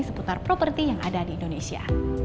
seputar properti yang ada di indonesia